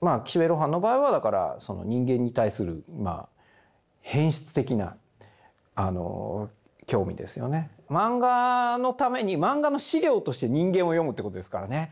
まあ岸辺露伴の場合はだからその漫画のために漫画の資料として人間を読むってことですからね。